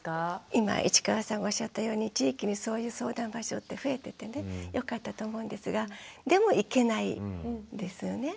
今市川さんがおっしゃったように地域にそういう相談場所って増えててねよかったと思うんですがでも行けないんですよね。